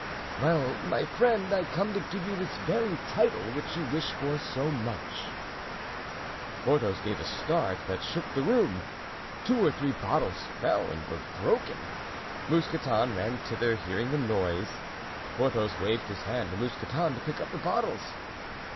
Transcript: "Well, my friend, I am come to give you this very title which you wish for so much." Porthos gave a start that shook the room; two or three bottles fell and were broken. Mousqueton ran thither, hearing the noise. Porthos waved his hand to Mousqueton to pick up the bottles.